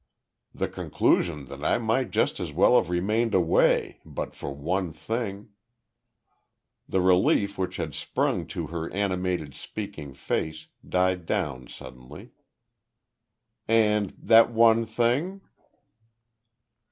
"The conclusion that I might just as well have remained away but for one thing." The relief which had sprung to her animated, speaking face, died down suddenly. "And that one thing?"